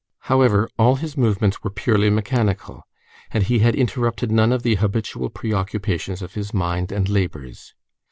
However, all his movements were purely mechanical, and he had interrupted none of the habitual preoccupations of his mind and labors.